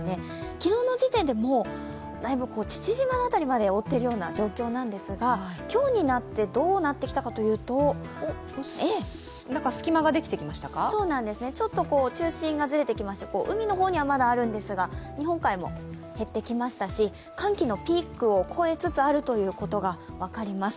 昨日の時点でもう、だいぶ父島辺りまで覆っている状況ですが、今日になってどうなってきたかというと、ちょっと中心がずれてきまして海の方にはまだあるんですが、日本海も減ってきましたし、寒気のピークを越えつつあることが分かります。